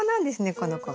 この子は。